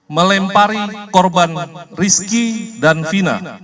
melempari korban rizky dan fina